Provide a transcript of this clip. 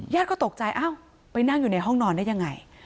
ก็ตกใจอ้าวไปนั่งอยู่ในห้องนอนได้ยังไง